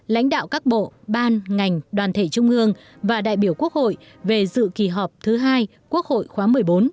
lãnh đạo các bộ ban ngành đoàn thể trung ương và đại biểu quốc hội về dự kỳ họp thứ hai quốc hội khóa một mươi bốn